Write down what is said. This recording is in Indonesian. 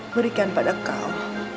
berikan pada kau